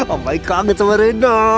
om baik kaget sama rena